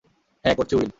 হ্যাঁ, করছি উইল।